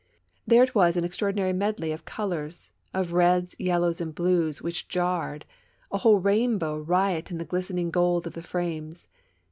There it was an extraordinary medley of colors, of reds, yellows and blues which jarred — a whole rainbow riot in the glistening gold of the frames.